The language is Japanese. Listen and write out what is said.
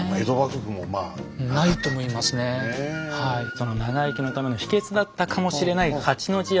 その長生きのための秘けつだったかもしれない「八之字薬」。